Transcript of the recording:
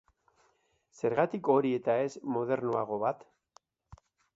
Zergatik hori eta ez modernoago bat?